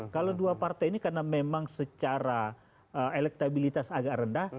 kalau dua partai ini karena memang secara elektabilitas agak rendah